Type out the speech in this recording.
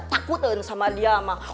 takutin sama dia mah